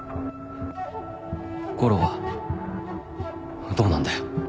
悟郎はどうなるんだよ？